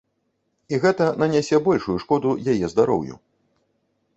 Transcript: І гэта нанясе большую шкоду яе здароўю.